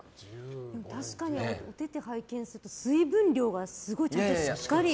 確かにおてて拝見すると水分量がすごいしっかり。